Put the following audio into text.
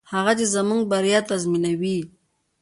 هغه څه چې زموږ بریا تضمینوي.